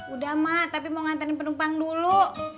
udah mah tapi mau nganterin penumpang dulu